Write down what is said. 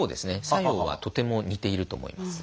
作用はとても似ていると思います。